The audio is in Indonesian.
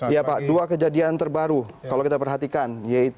ya pak dua kejadian terbaru kalau kita perhatikan